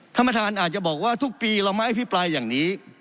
ท่านประธานอาจจะบอกว่าทุกปีเราไม่อภิปรายอย่างนี้